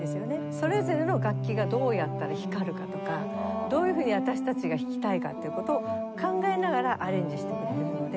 それぞれの楽器がどうやったら光るかとかどういうふうに私たちが弾きたいかっていう事を考えながらアレンジしてくれてるので。